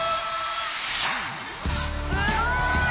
すごい。